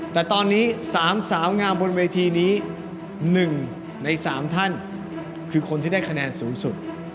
แต่ตอนนี้๓สาวงามบนเวทีนี้๑ใน๓ท่านคือคนที่ได้คะแนนสูงสุด